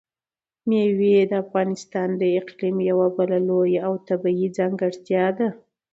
مېوې د افغانستان د اقلیم یوه بله لویه او طبیعي ځانګړتیا ده.